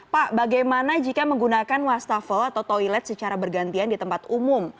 pak bagaimana jika menggunakan wastafel atau toilet secara bergantian di tempat umum